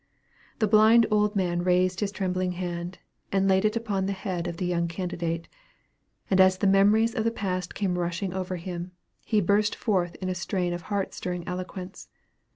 The blind old man raised his trembling hand, and laid it upon the head of the young candidate; and as the memories of the past came rushing over him, he burst forth in a strain of heart stirring eloquence.